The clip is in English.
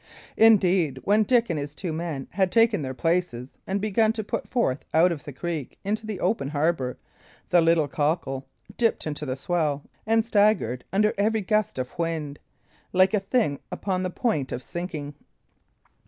Indeed, when Dick and his two men had taken their places, and begun to put forth out of the creek into the open harbour, the little cockle dipped into the swell and staggered under every gust of wind, like a thing upon the point of sinking.